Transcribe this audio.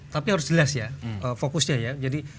tapi harus jelas ya fokusnya ya jadi